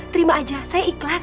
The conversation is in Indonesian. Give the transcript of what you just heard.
terima aja saya ikhlas